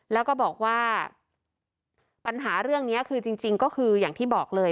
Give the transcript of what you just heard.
แล้วก็บอกว่าปัญหาเรื่องนี้คือจริงก็คืออย่างที่บอกเลย